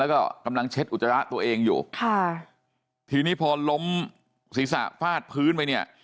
แล้วก็กำลังเช็ดอุจจาระตัวเองอยู่ค่ะทีนี้พอล้มศีรษะฟาดพื้นไปเนี่ย